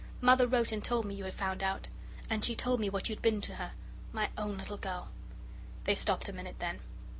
Mother wrote and told me you had found out. And she told me what you'd been to her. My own little girl!" They stopped a minute then.